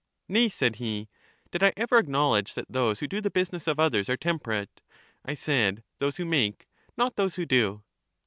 Nay, said he; did I ever acknowledge that those who do the business of others are temperate? I said, those who make, not those who do.